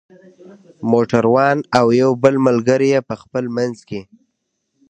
موټر وان او یو بل ملګری یې په خپل منځ کې.